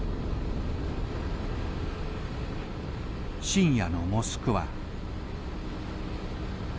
深夜のモスクワ。